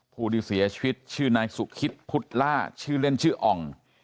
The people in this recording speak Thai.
ผู้ที่เสียชีวิตชื่อนายสุคิดพุทธล่าชื่อเล่นชื่ออ่อง